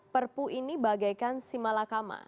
perpu ini bagaikan si malakama